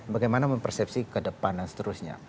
bagaimana mempersepsi ke depan dan seterusnya